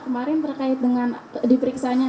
kemarin terkait dengan diperiksanya